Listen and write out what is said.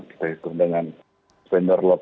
kita hitung dengan spender lokal